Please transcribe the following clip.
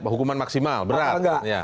hukuman maksimal berat